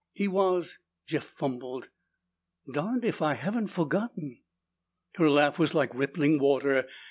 "He was " Jeff fumbled. "Darned if I haven't forgotten!" Her laugh was like rippling water.